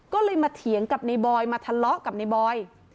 ก็เลยมาเถียงกับในบอยมาทะเลาะกับในบอย